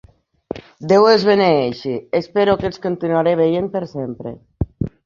Déu els beneeixi, espero que els continuaré veient per sempre.